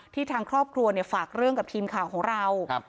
ทางครอบครัวเนี่ยฝากเรื่องกับทีมข่าวของเรา